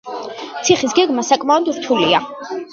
ციხის გეგმა საკმაოდ რთულია.